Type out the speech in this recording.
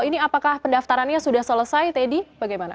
ini apakah pendaftarannya sudah selesai teddy bagaimana